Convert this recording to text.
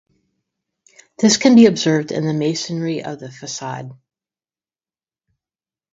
This can be observed in the masonry of the facade.